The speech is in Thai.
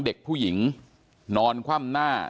เด็กผู้หญิงนอนคว่ำหน้า